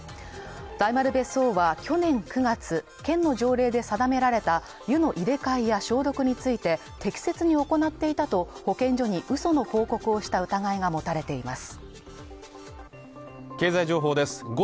大丸別荘は去年９月、県の条例で定められた湯の入れ替えや消毒について適切に行っていたと保健所にうその報告をした疑いが持たれています。